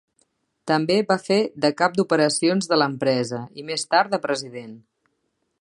També va fer de cap d'operacions de l'empresa i, més tard, de president.